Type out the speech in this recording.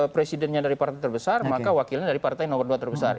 presidennya dari partai terbesar maka wakilnya dari partai nomor dua terbesar